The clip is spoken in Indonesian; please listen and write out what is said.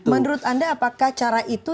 menurut anda apakah cara itu